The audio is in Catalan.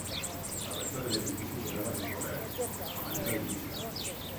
La resta de l'edifici quedava descobert, a manera de lliça.